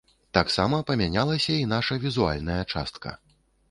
Таксама памянялася і наша візуальная частка.